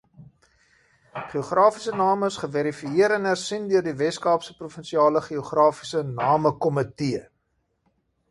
Geografiese name is geverifieer en hersien deur die Wes-Kaapse Provinsiale Geografiese Namekomitee.